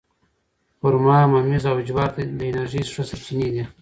خرما، ممیز او جوار د انرژۍ ښه سرچینې دي.